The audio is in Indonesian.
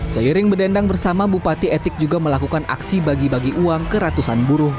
seiring bedendang bersama bupati etik juga melakukan aksi bagi bagi uang ke ratusan buruh